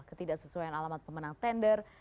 ketidak sesuaian alamat pemenang tender